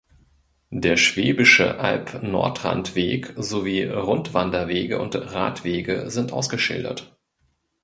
Der Schwäbische-Alb-Nordrand-Weg sowie Rundwanderwege und Radwege sind ausgeschildert.